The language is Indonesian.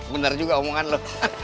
bener juga omongan lo